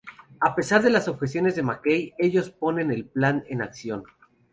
A pesar de las objeciones de McKay, ellos ponen el plan en acción.